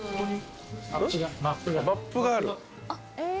マップがある。